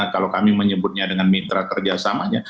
kalau kami menyebutnya dengan mitra kerjasamanya